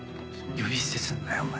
呼び捨てすんなよお前。